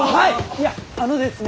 いやあのですね